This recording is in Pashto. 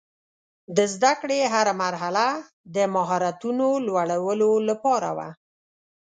د زده کړې هره مرحله د مهارتونو لوړولو لپاره وه.